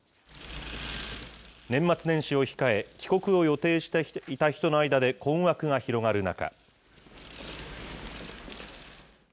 年末年始を控え、帰国を予定していた人の間で困惑が広がる中。